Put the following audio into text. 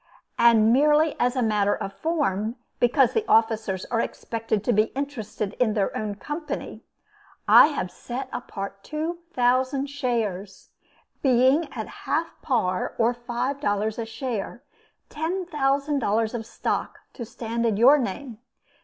And merely as a matter of form, because the officers are expected to be interested in their own company, I have set apart two thousand shares, being at half par or $5 a share, $10,000 of stock, to stand in your name.